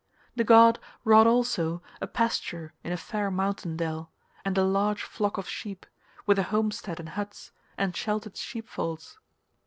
The god wrought also a pasture in a fair mountain dell, and a large flock of sheep, with a homestead and huts, and sheltered sheepfolds.